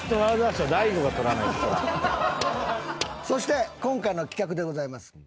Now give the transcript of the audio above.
そして今回の企画でございます。